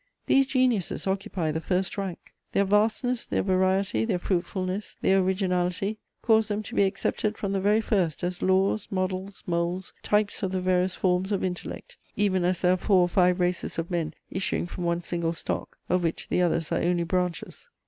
These geniuses occupy the first rank; their vastness, their variety, their fruitfulness, their originality cause them to be accepted from the very first as laws, models, moulds, types of the various forms of intellect, even as there are four or five races of men issuing from one single stock, of which the others are only branches.